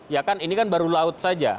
ya kan ini kan baru laut saja